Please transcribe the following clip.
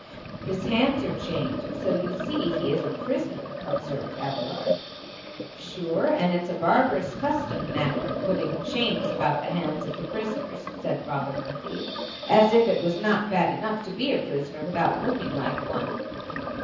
'^ His hands are chained, so you see he is a prisoner ;" observed Abelard. ^' Sure, and it *8 a barbarous custom that of putthing chains about the hands of the pri soners,^ said Father Murphy, ^' as if it was not bad enough to be a prisoner without looking like one.''